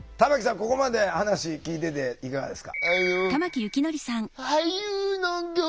ここまで話聞いてていかがですか？